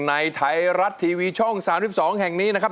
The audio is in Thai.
ไทยรัฐทีวีช่อง๓๒แห่งนี้นะครับ